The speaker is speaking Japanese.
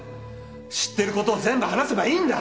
知ってる事を全部話せばいいんだ！